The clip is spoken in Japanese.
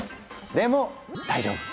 でも大丈夫！